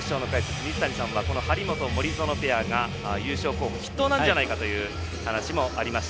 水谷さんはこの張本、森薗ペアが優勝候補筆頭なんじゃないかという話もありました。